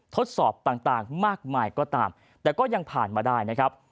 ทดสอบต่างมากมายก็ตามแต่ก็ยังผ่านมาได้นะครับ